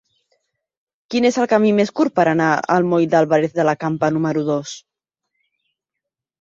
Quin és el camí més curt per anar al moll d'Álvarez de la Campa número dos?